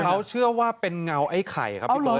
เขาเชื่อว่าเป็นเงาไอ้ไข่ครับพี่เบิร์